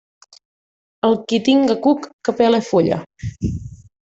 El qui tinga cuc, que pele fulla.